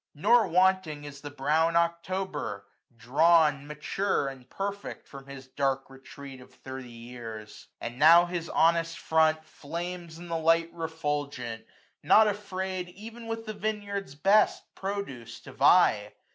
Nor wanting is the brown October, drawn. Mature and perfect^ from his dark retreat 520 Of thirty years ; and now his honest front Flames in the light refulgent, not afraid Ev'n with the vineyard's best produce to vie.